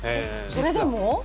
それでも？